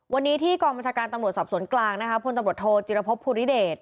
วันนี้ที่กองบัญชาการตำรวจสอบสวนกลางนะค่ะพทธจิราโพพั์ฑภูริเดช